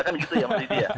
kan itu yang jadi dia